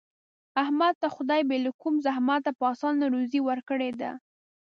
احمد ته خدای بې له کوم زحمته په اسانه روزي ورکړې ده.